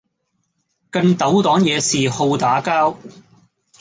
更鬥黨惹事好打交